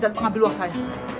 dan mengambil uang saya